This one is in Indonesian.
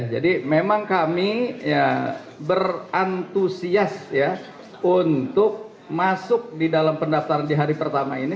jadi memang kami berantusias untuk masuk di dalam pendaftaran di hari pertama ini